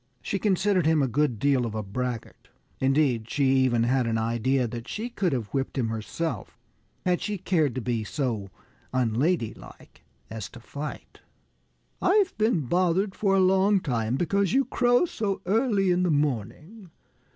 She considered him a good deal of a braggart. Indeed, she even had an idea that she could have whipped him herself, had she cared to be so unladylike as to fight. "I've been bothered for a long time because you crow so early in the morning.